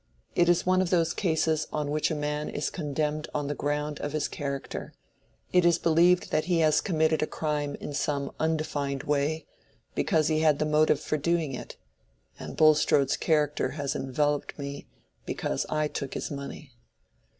It is one of those cases on which a man is condemned on the ground of his character—it is believed that he has committed a crime in some undefined way, because he had the motive for doing it; and Bulstrode's character has enveloped me, because I took his money.